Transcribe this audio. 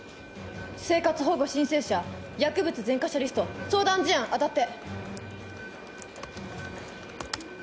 生活保護申請者薬物前科者リスト相談事案当たって。